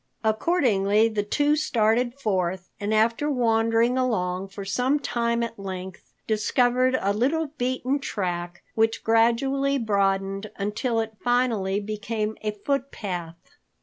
Accordingly, the two started forth and after wandering along for some time at length discovered a little beaten track which gradually broadened until it finally became a footpath.